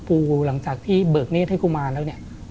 ปูหลังจากที่เบิกเนธให้คุมมาแล้ว